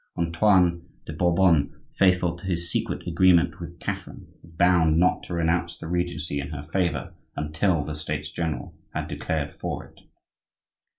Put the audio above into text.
Antoine de Bourbon, faithful to his secret agreement with Catherine, was bound not to renounce the regency in her favor until the States general had declared for it.